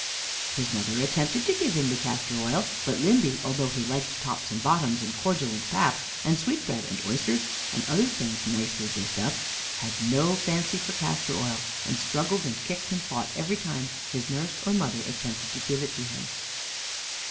His mother attempted to give him the castor oil, but Limby, although he liked tops and bottoms, and cordial, and pap, and sweetbread, and oysters, and other things nicely dished up, had no fancy for castor oil, and struggled and kicked and fought every time his nurse or mother attempted to give it him.